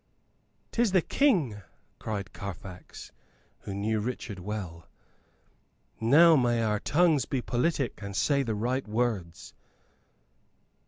"'Tis the King!" cried Carfax, who knew Richard well. "Now may our tongues be politic and say the right words."